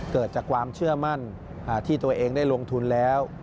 เกิดจากความเชื่อมั่นที่ตัวเองได้ลงทุนแล้ว